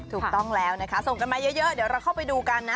ถูกต้องแล้วนะคะส่งกันมาเยอะเดี๋ยวเราเข้าไปดูกันนะ